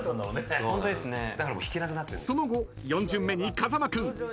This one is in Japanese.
［その後４巡目に風間君］